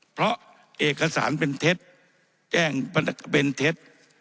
เพราะเอกสารเป็นเท็จแจ้งเป็นเท็จ